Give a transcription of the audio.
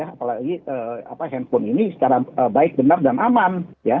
apalagi handphone ini secara baik benar dan aman